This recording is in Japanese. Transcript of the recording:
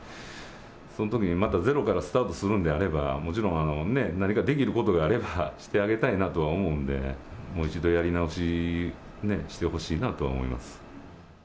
そのときにまたゼロからスタートするんであれば、もちろんね、何かできることがあれば、してあげたいなとは思うんで、もう一度やり直ししてほしいなと思います。